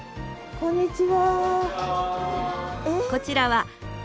こんにちは。